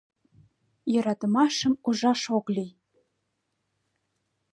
— Йӧратымашым ужаш ок лий.